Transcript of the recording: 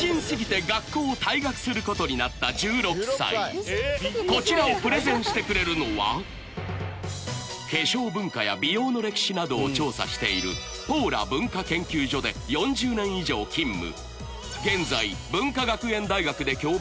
まずはこちらをプレゼンしてくれるのは化粧文化や美容の歴史などを調査しているポーラ文化研究所で４０年以上勤務